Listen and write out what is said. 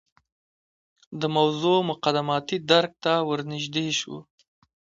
د موضوع مقدماتي درک ته ورنژدې شو.